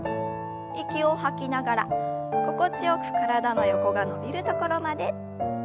息を吐きながら心地よく体の横が伸びるところまで。